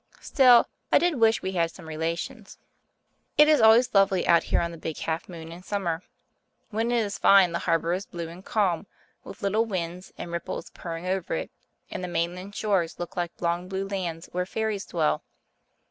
Still, I did wish we had some relations. It is always lovely out here on the Big Half Moon in summer. When it is fine the harbour is blue and calm, with little winds and ripples purring over it, and the mainland shores look like long blue lands where fairies dwell.